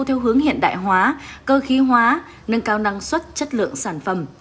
theo hướng hiện đại hóa cơ khí hóa nâng cao năng suất chất lượng sản phẩm